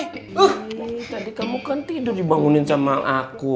kalau tadi kamu kan tidur dibangunin sama aku